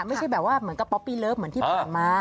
ไม่ใช่แบบว่าเหมือนกับป๊อปปี้เลิฟเหมือนที่ผ่านมา